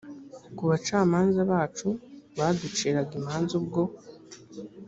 ku bacamanza bacu baduciraga imanza ubwo